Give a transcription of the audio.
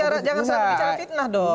jangan selalu bicara fitnah dong